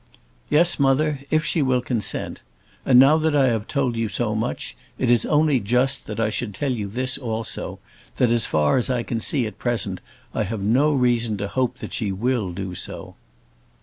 "Yes, mother, if she will consent. And now that I have told you so much, it is only just that I should tell you this also; that as far as I can see at present I have no reason to hope that she will do so."